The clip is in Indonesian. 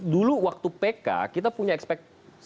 dulu waktu pks kita punya ekspektasi